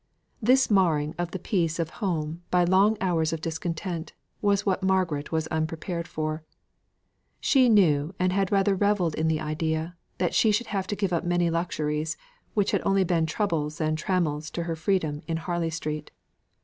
This marring of the peace of home, by long hours of discontent, was what Margaret was unprepared for. She knew, and had rather revelled in the idea, that she should have to give up many luxuries, which had only been troubles and trammels to her freedom in Harley Street.